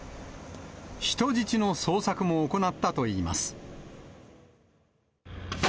人質の捜索も行ったといいます。